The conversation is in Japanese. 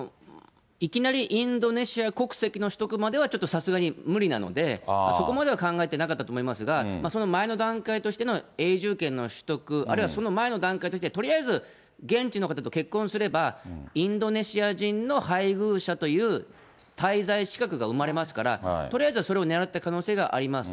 いきなりインドネシア国籍の取得まではちょっとさすがに無理なので、そこまでは考えてなかったと思いますが、その前の段階としての永住権の取得あるいはその前の段階として、とりあえず現地の方と結婚すれば、インドネシア人の配偶者という滞在資格が生まれますから、とりあえずはそれを狙ったあります。